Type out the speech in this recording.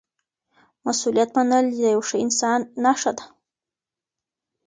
مسؤلیت منل د یو ښه انسان نښه ده.